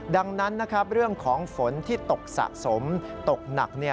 ดังนั้นเรื่องของฝนที่ตกสะสมตกหนัก